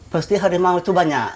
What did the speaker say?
pasti harimau itu banyak